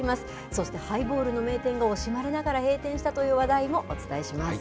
そしてハイボールの名店が惜しまれながら閉店したという話題もお伝えします。